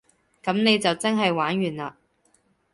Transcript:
噉你就真係玩完嘞